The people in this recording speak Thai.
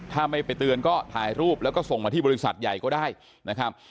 ถ้าไม่ไปเตือนก็ถ่ายรูปแล้วก็ส่งมาที่บริษัทใหญ่ก็ได้นะครับ